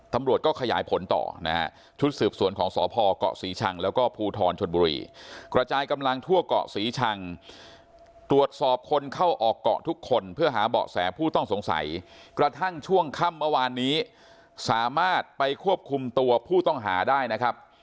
ตำรวจก็ขยายผลต่อนะฮะชุดสืบสวนของสพเกาะศรีชังแล้วก็ภูทรชนบุรีกระจายกำลังทั่วเกาะศรีชังตรวจสอบคนเข้าออกเกาะทุกคนเพื่อหาเบาะแสผู้ต้องสงสัยกระทั่งช่วงค่ำเมื่อวานนี้สามารถไปควบคุมตัวผู้ต้องหาได้นะครับ